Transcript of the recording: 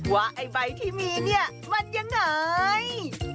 ว่าไอ้ใบที่มีเนี่ยมันยังไง